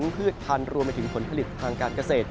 ถึงพืชทันรวมไปถึงผลผลิตทางการเกษตร